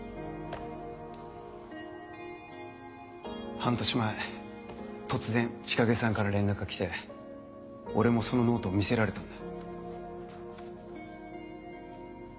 半年前突然千景さんから連絡が来て俺もそのノートを見せられたんだ。